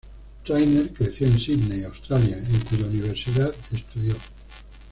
Trainer creció en Sydney, Australia, en cuya universidad estudió.